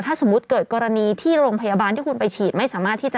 ถ้าสมมุติเกิดกรณีที่โรงพยาบาลที่คุณไปฉีดไม่สามารถที่จะ